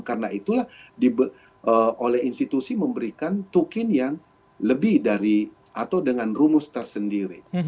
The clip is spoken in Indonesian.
karena itulah oleh institusi memberikan tugas yang lebih dari atau dengan rumus tersendiri